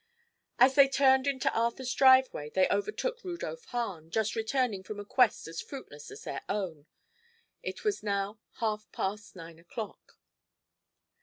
As they turned into Arthur's driveway they overtook Rudolph Hahn, just returning from a quest as fruitless as their own. It was now half past nine o'clock.